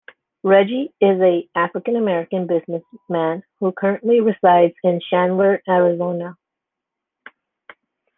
Reggie is an African-American businessman who currently resides in Chandler, Arizona.